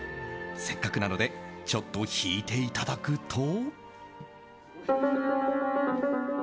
せっかくなのでちょっと弾いていただくと。